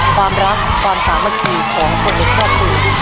ความรักความสามารถของคนเดียวกับคุณ